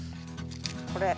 これ。